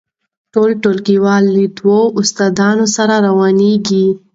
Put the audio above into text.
ټول ټولګیوال له دوو استادانو سره روانیږي.